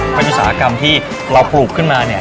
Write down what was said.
เป็นอุตสาหกรรมที่เราปลูกขึ้นมาเนี่ย